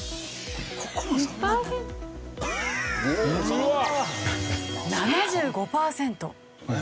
うわっ！７５パーセント。